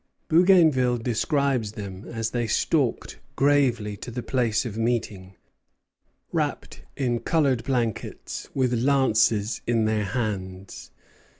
Bougainville describes them as they stalked gravely to the place of meeting, wrapped in colored blankets, with lances in their hands.